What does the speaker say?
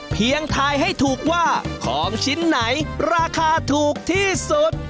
ทายให้ถูกว่าของชิ้นไหนราคาถูกที่สุด